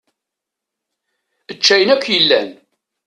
Ečč ayen akk yellan.